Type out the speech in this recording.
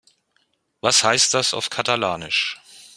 Was heißt das auf Katalanisch?